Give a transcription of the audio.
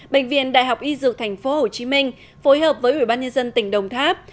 bệnh viện đại học y dược tp hcm phối hợp với ủy ban nhân dân tỉnh đồng tháp